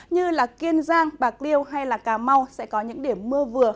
như là kiên giang bạc liêu hay là cà mau sẽ có những điểm mưa vừa